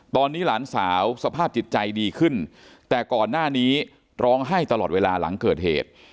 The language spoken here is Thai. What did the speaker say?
ตอนนี้หลานสาวสภาพจิตใจดีขึ้นแต่ก่อนหน้านี้ร้องไห้ตลอดเวลาหลังเกิดเหตุ